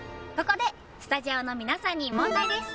ここでスタジオの皆さんに問題です。